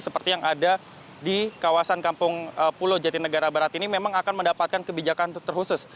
seperti yang ada di kawasan kampung pulau jatinegara barat ini memang akan mendapatkan kebijakan terhusus